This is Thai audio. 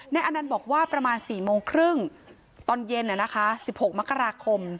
อนันต์บอกว่าประมาณ๔โมงครึ่งตอนเย็น๑๖มกราคม